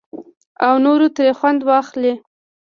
او نور ترې خوند واخلي.